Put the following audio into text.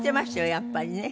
やっぱりね。